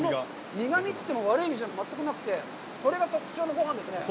苦みといっても、悪い意味じゃなくて、それが特徴のごはんですね。